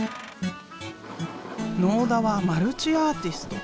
納田はマルチアーティスト。